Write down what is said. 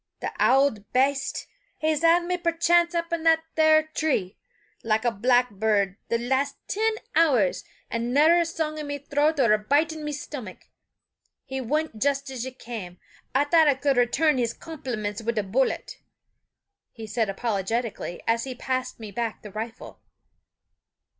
"Th' ould baste! he's had me perrched up in that three there, like a blackburrd, the last tin hours; an' niver a song in me throat or a bite in me stomach. He wint just as you came I thought I could returrn his compliments wid a bullet," he said, apologetically, as he passed me back the rifle.